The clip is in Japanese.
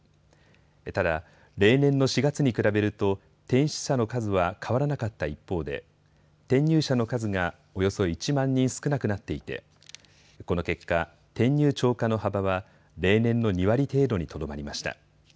ただ例年の４月に比べると転出者の数は変わらなかった一方で転入者の数がおよそ１万人少なくなっていてこの結果、転入超過の幅は例年の２割程度にとどまりました。